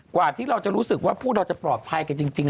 กว่าที่เราจะรู้สึกว่าพวกเราจะปลอดภัยกันจริง